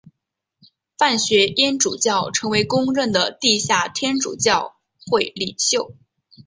范学淹主教成为公认的地下天主教会领袖。